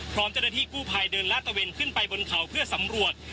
พร้อมเจ้าหน้าที่กู้ภัยเดินลาดตะเวนขึ้นไปบนเขาเพื่อสำรวจ